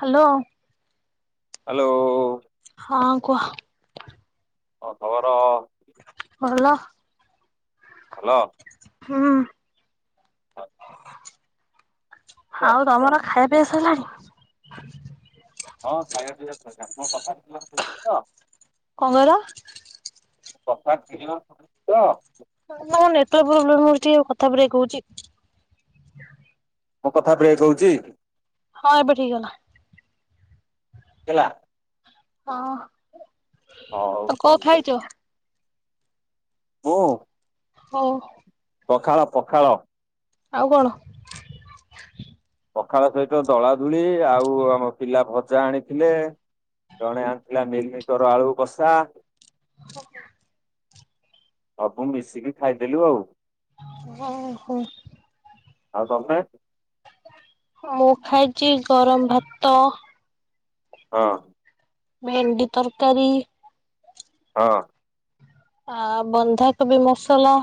Hello. Hello. ହଁ କୁହ। କଁ ଖବର। ଭଲ। ହଲ। ହୁଁ। [unintelligible] ତ? ଆଉ ତମର ଖାଇବା ପିଆ ସଇଲାଣି? ହଁ ଖାଇବା ପିଇବା ସରିଲାଣି [unintelligible] କଁ କହିଲ? କଥା କିଣ [unintelligible] ତ? ତମ ନେଟ୍ୱର୍କ ପ୍ରୋବ୍ଲେମ୍ ହଉଚି ଟିକେ କଥା ବ୍ରେକ୍ ହଉଚି। ମୋ କଥା ବ୍ରେକ୍ ହଉଚି? ହଁ ଏବେ ଠିକ୍ ହେଲା। ହେଲା? ହଉ ହଁ, କ ଠିକ୍ ଅଛି ଖାଇଚ? ମୁଁ? ହଉ। ପଖାଳ ପଖାଳ। ଆଉ କଣ? ପଖାଳ ସହିତ ଦଳା ଦୁଳି ଆଉ ଆମ ପିଲା ଭଜା ଆଣିଥିଲେ। ଜଣେ ଆଣିଥିଲା ମିଲ୍ ମିରମିକର ଆଳୁ କଷା ସବୁ ମିଶିକି ଖାଇଦେଲୁ ଆଉ। ହୁଁ ହୁଁ। ଆଉ ତମେ? ମୁଁ ଖାଇଚି ଗରମ ଭାତ ହଁ। ଭେଣ୍ଡି ତରକାରୀ ହଁ। ଆ ବନ୍ଧାକୋବି ମସଲା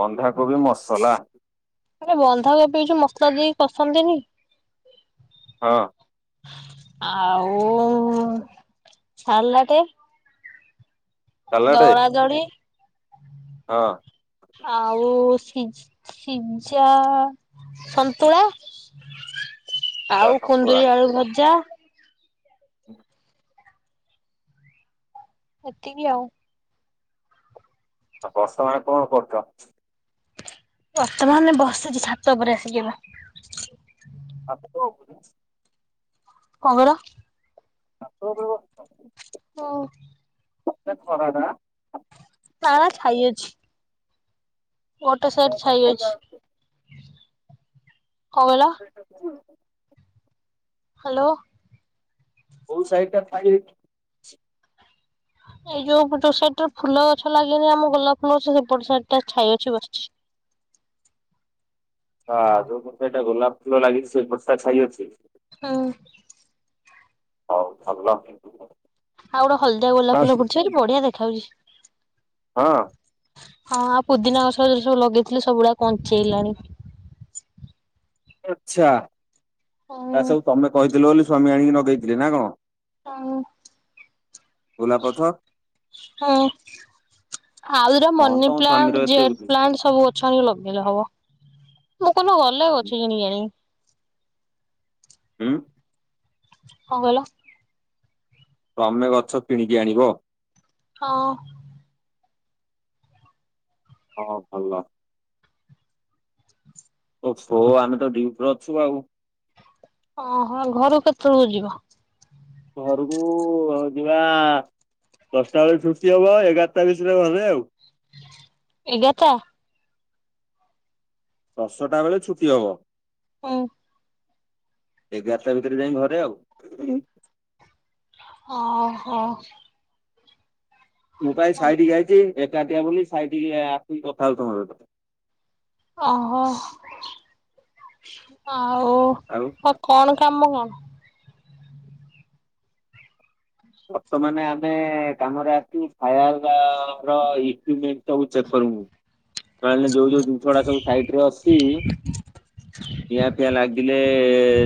ବନ୍ଧାକୋବି ମସଲା? ଆବେ ବନ୍ଧାକୋବି ଏ ଯୋଉ ମସଲା ଦେଇକି କସନ୍ତିନି। ହଁ ଆଉ ସାଲାଟେ ସାଲାଡେ ଦଳା ଦଳି ହଁ। ଆଉ ସି ସିଝା ସନ୍ତୁଳା ତା ଆଉ କୁନ୍ଦୁରି ଆଳୁ ଭଜା। ହ ଏତିକି ଆଉ। ଆଉ ବର୍ଷା ପାଗରେ କଣ କରୁଛ? ବର୍ତ୍ତମାନ ବସିଛି ଛାତ ଉପରେ ଆସିକିି ବା। [unintelligible] କଣ କହିଲ? ଛାତ ଉପରେ ବସିଛ? ଓହ ଉପରେ ଖରାଟା। ନା ନା ଛାଇ ଅଛି। ଗୋଟେ ସାଇଟ ଛାଇ ଅଛି କଣ କହିଲ? [unintelligible] ହ୍ୟାଲୋ। କୋଉ ସାଇଟ୍ ଟା ଛାଇ ହେଇଛି? ଏଇ ଯୋଉ ପଟ ସାଇଟ୍ ରେ ଫୁଲ ଗଛ ଲାଗେନି ଆମ ଗୋଲାପ ଫୁଲ ଗଛ ସେପଟ ସାଇଟ୍ ଟା ଛାଇ ଅଛି ବସିଛି। ହଁ ଯୋଉ ପଟ ଟା ଗୋଲାପ ଫୁଲ ଲାଗିଛି ସେଇ ପଟ ଟା ଛାଇଅଛି। ହଁ। ହଉ ଭଲ। ଆଉ ଗୋଟେ ହଳଦିଆ ଗୋଲାପ ଫୁଲ ଫୁଟିଛି ଭାରୀ ବଢିଆ ଦେଖା ଯାଉଛି। ହଁ। ହଁ ଆଉ ପୁଦିନା ଗଛ ଯୋଉ ସବୁ ଲଗେଇଥିଲି ସବୁ ଗୁଡା ବଞ୍ଚିଗଲାଣି। ଆଛା ତା ହୁଁ ସବୁ ତମେ କହିଥିଲ ବୋଲି ସ୍ୱାମୀ ଆଣିକି ନଗେଇଥିଲେ ନା କଣ? ହଁ। ଚଲାପଥ। ଆଉଗୁରା ମନି ପ୍ଲାଣ୍ଟ୍ ଏତେ ଜେଡ୍ ବୁଦ୍ଧି। ପ୍ଲାଣ୍ଟ୍ ସବୁ ଅଛି। ଖାଲି ଲଗେଇଲେ ହବ ମୁଁ କୋଉ ଦିନ ଗଲେ ଗଛ ଚୋରି କରିକି ଆଣିବି। ଉଁ। କଁ କହିଲ? ତମେ ଗଛ କିଣିକି ଆଣିବ? ହଁ। ହଁ ଭଲ। ଓ ଫୋ ଆମେ ତ ଡିଉଟିରେ ଅଛୁ ଆଉ। ଓହୋ ଘରୁକୁ କେତେବେଳକୁ ଯିବ? ଘରକୁ ଯିବା ଦଶଟା ବେଳେ ଛୁଟି ହବ ଏଗାରଟା ଭିତରେ ଘରେ ଆଉ। ଏଗାର ଟା। ଦଶଟା ବେଳେ ଛୁଟି ହବ। ହଉ। ଏଗାରଟା ଭିତରେ ଯାଇ ଘରେ ଆଉ। ଓହୋ। ମୁଁ ପା ଏଇ ସାଇଟିକି ଆଇଛି ଏକାଟିଆ ବୋଲି ସାଇଟିକି ଆସିକି କଥା ହଉଛି ତମ ସହିତ। ଓହୋ ଆଉ। ଆଉ। ହଁ କଣ କାମ କଣ? ବର୍ତ୍ତମାନ ଆମେ କାମରେ ଆସିଚୁ ଫାୟାର ର ଇକୁଉମେଣ୍ଟ ସବୁ ଚେକ୍ କରିବୁ। ମାନେ ଯୋଉ ଯୋଉ ଜିନିଷ ଗୁଡା ସବୁ ସାଇଟ ରେ ଅଛି। ନିଆଁ ଫିଆଁ ଲାଗିଲେ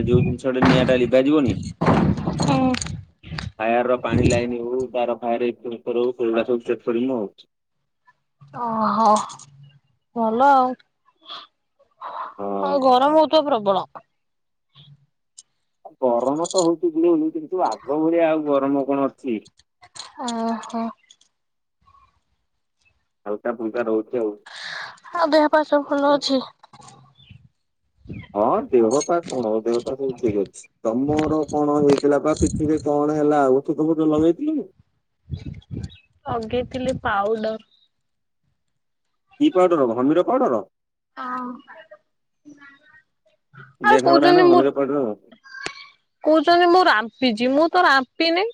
ଯୋଉ ଜିନିଷଟେ ନିଆଁ ଟା ଲିଭାଯିବନି। ହୁଁ। ଫାୟାର ର ପାଣି ଲାଇନ ହଉ ତାର ଫାୟାର ସେନ୍ସର ହଉ ସେଗୁଡା ସବୁ ଚେକ କରିବୁ ଆଉ। ଓହୋ ଭଲ ଆଉ। ଆଉ ହଁ ଗରମ ହଉଥିବ ପ୍ରବଳ। ଗରମ ତ ହଉଛି ଗୁଳୁଗୁଳି କିନ୍ତୁ ଆଗ ଭଳିଆ ଆଉ ଗରମ କଣ ଅଛି? ଓହୋ। ହାଲକା ଫୁଲକା ରହୁଛି। ଆଉ ଦେହ ପା ସବୁ ଭଲ ଅଛି। ହଁ ଦେହ ପା କଣ ଦେହ ପା ସବୁ ଠିକ୍ ଅଛି। ତମର କଣ ହେଇଥିଲା ପା ପିଠିରେ କଣ ହେଲା ଆଉ ଓଷଧ ଫୁଷଧ ଲଗେଇଥିଲ କି। ଲଗେଇଥିଲା ପାଉଡର। କି ପାଉଡର ଘମୀର ପାଉଡର। ହଁ ଆଉ ଦେଖାବରା ନା କହୁଛନ୍ତି ମୁଁ ଘମିର ପାଉଡର। କହୁଛନ୍ତି ମୁଁ ରାମ୍ପିଛି ମୁଁ ତ ରାମ୍ପିନି।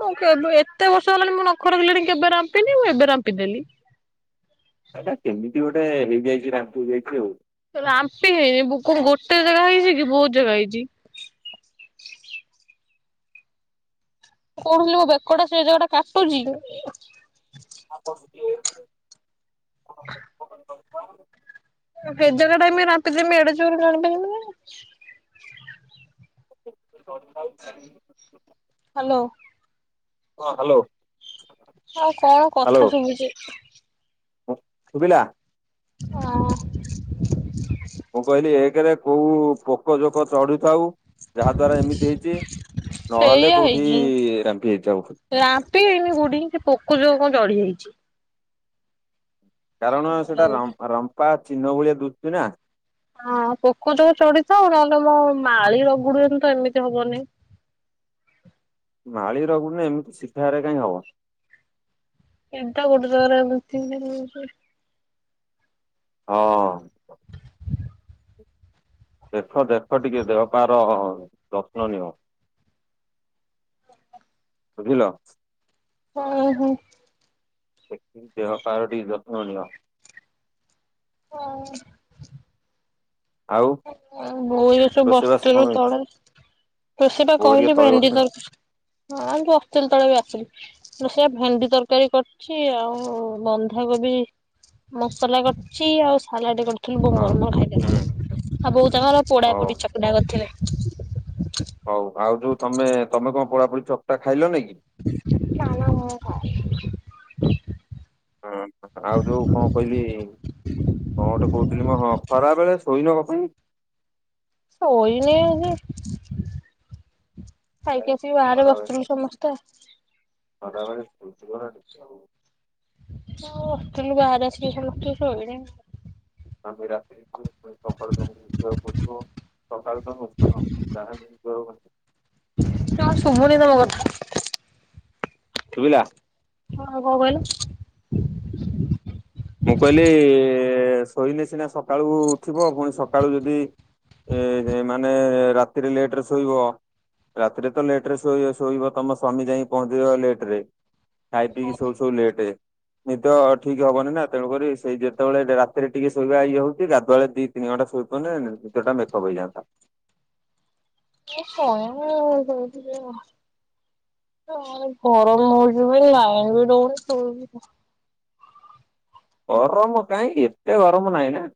ହଉ କେବେ ଏତେ ବର୍ଷ ହେଲାଣି ମୁଁ ନଖ ରଖିଲିଣୀ କେବେ ରାମ୍ପିନି ମୁଁ ଏବେ ରାମ୍ପିଦେଲି। ଏଟା କେମିତି ଗୋଟେ ହେଇଯାଇଛି ରାମ୍ଫି ହେଇଛି ଆଉ। ରାମ୍ଫି ହେଉନି କଣ ଗୋଟେ ଜାଗା ହେଇଛି କି ବହୁତ ଜାଗା ହେଇଛି। କଣ ହେଲେ ମୋ ବେକଟା ସେ ଜାଗାଟା କାଟୁଛି। [inaudible] ହେ ଜାଗାଟା ଏମିତି ରାମ୍ଫି ଦେବି ଏଡେ ଜୋରରେ ଜାଣି ପାରିବିନି ମୁଁ। [inaudible] ହ୍ୟାଲୋ। ହଁ ହ୍ୟାଲୋ। ହଁ କଣ ହ୍ୟାଲୋ। କଥା ଶୁଭୁଛି? ଶୁଭିଲା। ହଁ ମୁଁ କହିଲି, ଏକ ରେ କୋଉ ପୋକ ଜୋକ ଚଢୁଥାଉ। ଯାହା ଦ୍ଵାରା ଏମିତି ହେଇଛି ନହେଲେ ସେଇଆ କୋଉଠି ହେଇଛି। ରାମ୍ପି ହେଇଥାଉ। ରାମ୍ପି ହେଇନି କୋଉଠି ପୋକ ସେ ଜୋକ କଣ ଚଢିଯାଇଛି। କାରଣ ସେଟା ରମ୍ଫା -ରମ୍ପା ଚିହ୍ନ ଭଳିଆ ଦୁସୁଚି ନା। ହଁ, ପୋକ ଜୋକ ଚଢିଥିବ। ନହେଲେ ମୋ ମାଳି ରଗୁଡ଼ିଲେ ବି ଏମିତି ହବନି। ମାଳି ରୋଗୁଡିନେ ଏମିତି ଶିଧାରେ କାହିଁ ହବ। [unintelligible] ହଁ। ଦେଖ ଦେଖ ଟିକେ ଦେହପାର ଯତ୍ନ ନିଅ। ବୁଝିଲ। ଓହୋ। [unintelligible] ଦେହ ପାଅର ଟିକେ ଯତ୍ନ ନିଅ। ହୁଁ। ଆଉ [unintelligible] ରୋଷେଇବାସ କଣ ବସିଥିଲୁ ହେଇଛି? ତଳେ। ରୋଷେଇ ବା ବୋଉ ହେରିକା କହିଲି ତଳେ ଭେଣ୍ଡି [unintelligible] ବସିଛନ୍ତି ଆସିଲି। ସେଆ ଭେଣ୍ଡି ତରକାରୀ କରିଛି ଆଉ ବନ୍ଧାକୋବି ମସଲା କରଚି ଆଉ ସାଲାଡ କରିଥିଲୁ। ହଁ ବୋଉଙ୍କର ମୋର ହୁଁ ଖାଇଦେଲୁ। ବୋଉ ତାଙ୍କର ପୋଡ଼ା ହଉ। ପୋଡ଼ି ଚକଟା କରିଥିଲେ। ହଉ ଆଉ ଯୋଉ ତମେ ତମେ କଣ ପୋଡ଼ାପୋଡିି଼ ଚକଟା ଖାଇଲନି କି? [inaudible] ହଁ, ଆଉ ଯୋଉ କଣ କହିଲି? କଣ ଗୋଟେ କହୁଥିଲି ମଁ ହଁ ଖରା ବେଳେ ଶୋଇନ କଣ ପାଇଁ? ଶୋଇନି ହିନ୍ଦୀ। ଏ ଖାଇକି ଆସିକି ବାହାରେ ଖରାବେଳେ ବସିଥିଲୁ ସମସ୍ତେ। [unintelligible] [unintelligible] ଆମେ ରାତିରେ [unintelligible] ସକାଳୁ ତ ବସନ [unintelligible] ଯଥା ଶୁବୁନି ତମ କଥା। ଶୁଭିଲା? [unintelligible] କଣ କହିଲୁ? ମୁଁ କହିଲି ଶୋଇଲେ ସିନା ସକାଳୁ ଉଠିବ ପୁଣି ସକାଳୁ ଯଦି ଏ ମାନେ ରାତିରେ ଲେଟରେ ଶୋଇବ। ରାତିରେ ତ ଲେଟ ରେ ଶୋଇ ଶୋଇବ ତମ ସ୍ୱାମୀ ଯାଇଁ ପହଞ୍ଚିଯିବ ଲେଟ ରେ। ଖାଇ ପିଇକି ଶୋଉ ଶୋଉ ଲେଟ୍ ନିଦ ଠିକ ହବନି ନା ତେଣୁକରି ସେଇ ଯେତେବେଳେ ରାତିରେ ଟିକେ ଶୋଇବା ଇଏ ହଉଛି ଗାଧୁଆ ବେଳେ ଦି ତିନି ଘଣ୍ଟାଶୋଇ ପଡି଼ଲେ ନିଦଟା ମେକଅ୍ ହେଇଯାନ୍ତା। ମୁଁ ଶୋଏନି [unintelligible] ଗରମ ହଉଛି ବି ଲାଇନ୍ ବି ରହୁନି ଶୋଇବି କଣ? ଗରମ କାଇଁକି ଏତେ ଗରମ ନାହିଁ ନା।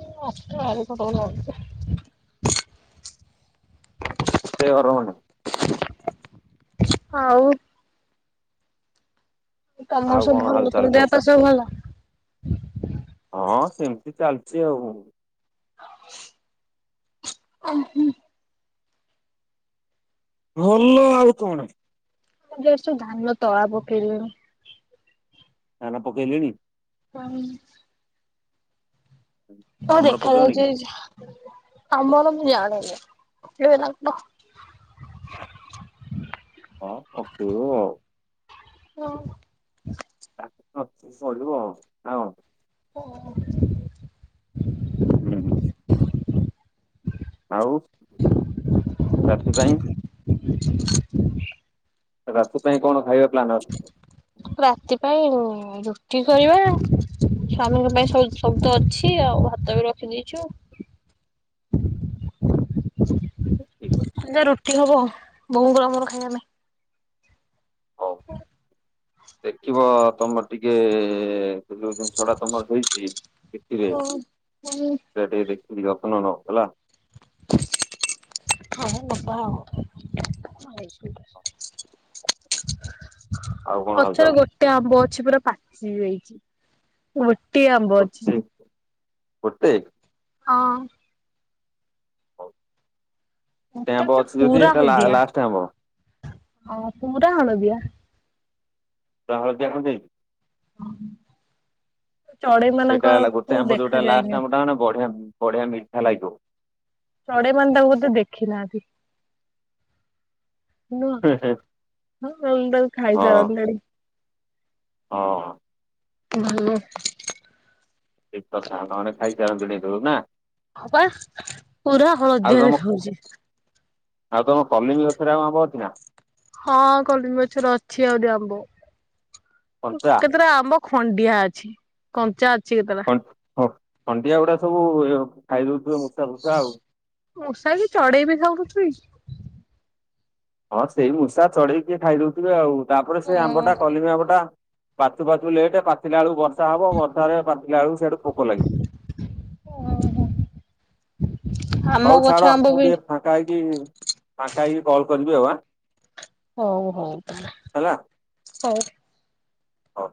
ମୁଁ ଆସେ ବାରିପଟରୁ ଜାଇକି? ସେ ଗରମ [unintelligible] ଆଉ। ତମର ଆଉ ସବୁ କଣ ଭଲ ହାଲଚାଲ ତମ ଦେହ କୁହ ପା ସବୁ ଭଲ? ହଁ ସେମିତି ଚାଲିଚି ଆଉ। [inaudible] ଭଲ ଆଉ କଣ? ଯଉ ସବୁ ଧାନ ତଳା ପକେଇଲେଣି। ଧାନ ପକେଇଲେଣି? ପାଣି କଣ ତମର ପକେଇବନି କି? ଦେଖାଯାଉଛି। ଆମର ମୁଁ ଯାଣିନି କିଏ ଦବ। ହଁ ପକେଇବ ଆଉ। [inaudible] [unintelligible] [inaudible] [unintelligible] ଆଉ, ରାତିପାଇଁ [inaudible] ରାତି ପାଇଁ କଣ ଖାଇବା ପ୍ଲାନ ଅଛି? ରାତି ପାଇଁ ରୁଟି କରିବା ସ୍ଵାମୀଙ୍କ ପାଇଁ ସବୁତ ଅଛି ଆଉ ଭାତ ବି ରଖିଦେଇଛୁ। [unintelligible] ଖାଲି ଯାହା ରୁଟି ହବ ବୋଉଙ୍ଗର ମୋର ଖାଇବାପାଇଁ। ହଉ [unintelligible] ଦେଖିବ ତମର ଟିକେ ଯୋଉ ଜିନିଷ ଟା ତମର ହେଇଚି ହଉ, ହୁଁ। ସେ ଟିକେ ଦେଖିକି ଯତ୍ନ ନବ ହେଲା। ହଉ ନବା ଆଉ ଆଉ କଣ ଗଛରେ ହାଲଚାଲ ଗୋଟେ ଆମ୍ବ ଅଛି ପୁରା ପାଚି ଯାଇଛି। ଗୋଟିିଏ ଆମ୍ବ ଅଛି। ଗୋଟେ ଗୋଟେ? ହଁ। ହଉ, ଗୋଟେ ଆମ୍ବ ଅଛି ଯଦି ଏଟା ଲା-ଲାଷ୍ଟ୍ ଆମ୍ବ। ହଁ ପୁରା ହଳଦିଆ। ପୁରା ହଳଦିଆ ପଡିଯାଇଛି। ଚଢେଇ ସେଇଟା ହେଲା ମାନଙ୍କକୁ ଗୋଟେ ଆମ୍ବ ଦେଖା ଯୋଉଟା ଯାଏନି। ଲାଷ୍ଟ୍ ଆମ୍ବଟା ମାନେ ବଢିଆ ମିଠା ଲାଗିବ। ଚଢେଇ ମାନେ ତାଙ୍କୁ ବୋଧେ ଦେଖି ନାହାନ୍ତି। ନୁହଁ [unintelligible] ହଁ ସାରନ୍ତେଣି। ହଁ -ଅଁ। ଭଲ। ଦିପକ୍ ସାଙ୍ଗାନେ ଖାଇ ସାରନ୍ତେଣି ଏତଳୁ ନା ହଁ ପା ପୁରା ଆଉ ହଳଦିଆ ତମ ଦେଖା ଖାଉଛି। ଆଉ ତମ କଲିମି ଗଛରେ ଆଉ ଆମ୍ବ ଅଛି ନା? ହଁ କଲିମି ଗଛରେ ଅଛି ଆହୁରି ଆମ୍ବ, କଞ୍ଚା କେତେଟା ଆମ୍ବ ଖଣ୍ଡିଆ ଅଛି, କଞ୍ଚା ଅଛି କେତେ ହଁ ଖଣ୍ଡିଆ ଗୁଡା ସବୁ ଖାଇଦଉଥିବେ ମୂଷା ଫୁଷା ଆଉ ମୂଷା କି ଚଢେଇ ବି ଖାଉନଥିବେ କି ହଁ ସେଇ ମୂଷା ଚଢେଇକି ଖାଇଦଉଥିବେ ଆଉ ତାପରେ ସେଇ ଓହୋ ଆମ୍ବଟା କଲିମି ଆମ୍ବଟା ପାଚୁ ପାଚୁ ଲେଟ୍ ପାଚିଲା ବେଳକୁ ବର୍ଷା ହବ ବର୍ଷାରେ ବେଳକୁ ସେଆଡୁ ପୋକ ଲାଗିିଯିବେ। ଓହୋ ଆମ ହଉ ଛାଡ ଗଛ ଆମ୍ବ ମୁଁ ବି ଟିକେ ଫାଙ୍କା ହେଇକି, ଫାଙ୍କା ହେଇକି କଲ୍ କରିବି ଆଉ ଆ ହଉ ହଉ ତା, ହେଲା ହଉ ହଉ।